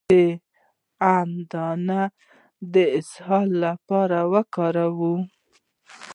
د ام دانه د اسهال لپاره وکاروئ